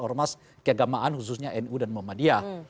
kedekatan dengan ormas ormas keagamaan khususnya nu dan muhammadiyah